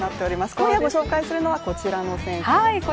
今夜ご紹介するのはこちらの選手です。